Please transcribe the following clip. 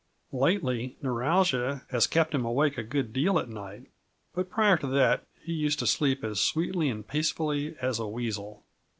Lately neuralgia has kept him awake a good deal at night, but prior to that he used to sleep as sweetly and peacefully as a weasel.